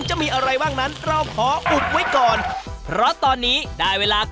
ค่ะพี่เค้ายอมให้เรารั้วไหม